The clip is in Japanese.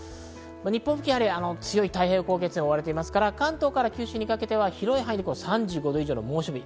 日本付近、強い太平洋高気圧に覆われていますから関東から九州にかけては広い範囲で３５度以上の猛暑日。